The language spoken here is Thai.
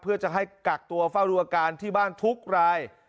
เพื่อจะให้กักตัวเฝ้าดูอาการที่บ้านทุกราย